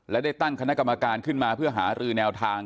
และได้ตั้งคณะกรรมการขึ้นมาเพื่อหารือแนวทาง